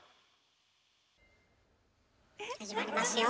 始まりますよ。